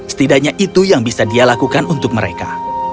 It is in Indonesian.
setidaknya itu yang bisa dia lakukan untuk mereka